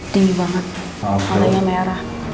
dingin banget warna merah